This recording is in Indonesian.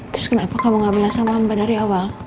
terus kenapa kamu gak bilang sama mbak dari awal